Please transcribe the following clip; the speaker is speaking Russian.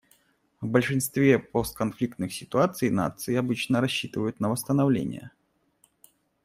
В большинстве постконфликтных ситуаций нации обычно рассчитывают на восстановление.